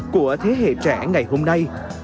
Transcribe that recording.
của thế hệ trẻ ngày hôm nay